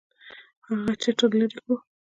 هغه چتر لري کړو.